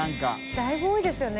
だいぶ多いですよね。